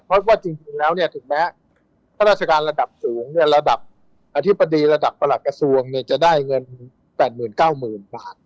เพราะว่าจริงแล้วเนี่ยถึงแม้ข้าราชการระดับสูงเนี่ยระดับอธิบดีระดับประหลักกระทรวงเนี่ยจะได้เงิน๘๙๐๐๐บาท